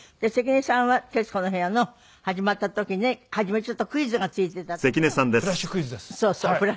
関根さんは『徹子の部屋』の始まった時に初めちょっとクイズがついてた時の。